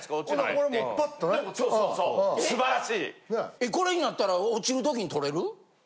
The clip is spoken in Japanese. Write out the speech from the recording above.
えこれになったら落ちる時に取れる？